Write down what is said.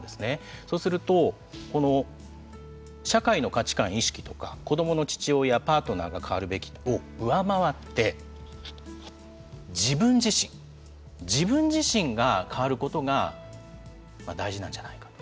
そうすると社会の価値観・意識とか、子どもの父親、パートナーが変わるべきを上回って自分自身自分自身が変わることが大事なんじゃないか。